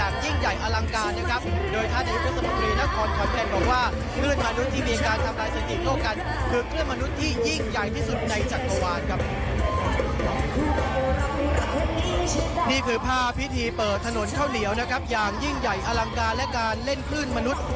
นี่คือภาพพิธีเปิดถนนข้าวเหนียวนะครับอย่างยิ่งใหญ่อลังการและการเล่นคลื่นมนุษย์